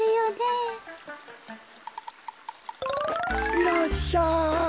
いらっしゃい。